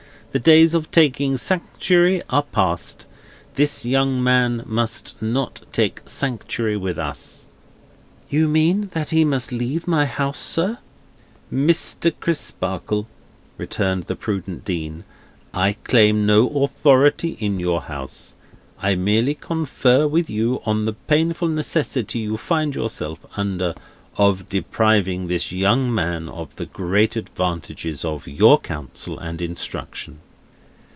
The days of taking sanctuary are past. This young man must not take sanctuary with us." "You mean that he must leave my house, sir?" "Mr. Crisparkle," returned the prudent Dean, "I claim no authority in your house. I merely confer with you, on the painful necessity you find yourself under, of depriving this young man of the great advantages of your counsel and instruction."